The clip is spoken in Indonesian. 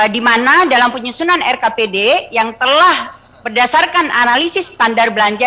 di mana dalam penyusunan rkpd yang telah berdasarkan analisis standar belanja